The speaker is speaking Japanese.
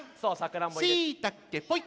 「しいたけポイッ」。